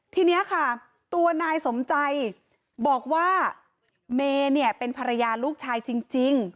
ทีนี้ค่ะตัวนายสมใจบอกว่าเมย์เนี่ยเป็นภรรยาลูกชายจริง